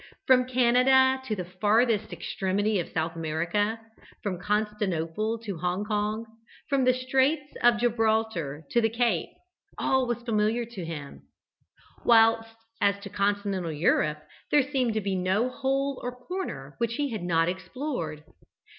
From Canada to the farthest extremity of South America, from Constantinople to Hong Kong, from the Straits of Gibraltar to the Cape, all was familiar to him; whilst, as to continental Europe, there seemed to be no hole or corner which he had not explored.